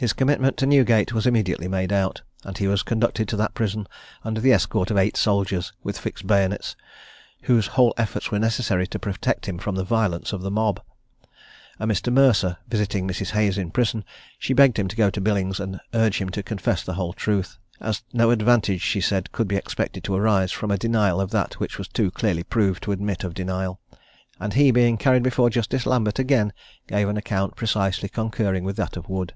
His commitment to Newgate was immediately made out, and he was conducted to that prison under the escort of eight soldiers, with fixed bayonets, whose whole efforts were necessary to protect him from the violence of the mob. A Mr. Mercer visiting Mrs. Hayes in prison, she begged him to go to Billings and urge him to confess the whole truth, as no advantage, she said, could be expected to arise from a denial of that which was too clearly proved to admit of denial; and he being carried before Justice Lambert again, gave an account precisely concurring with that of Wood.